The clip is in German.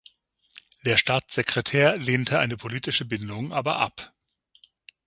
Der Staatssekretär lehnte eine politische Bindung aber ab.